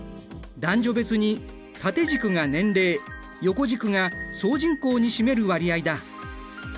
男女別に縦軸が年齢横軸が総人口に占める割合だ。